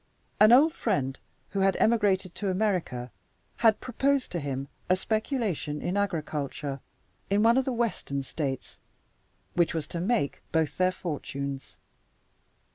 An old friend, who had emigrated to America, had proposed to him a speculation in agriculture, in one of the Western States, which was to make both their fortunes.